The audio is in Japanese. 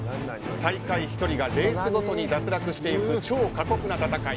最下位１人がレースごとに脱落していく超過酷な戦い。